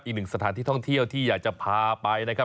อีกหนึ่งสถานที่ท่องเที่ยวที่อยากจะพาไปนะครับ